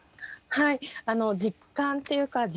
はい実感っていうか